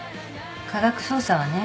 科学捜査はね